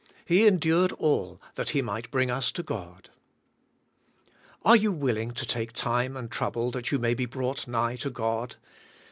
He endured all, that He might bring us to God. Are you willing to take time and trouble that you may be brought nigh to God?